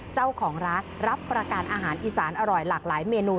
เจ้าของร้านรับประการอาหารอีสานอร่อยหลากหลายเมนู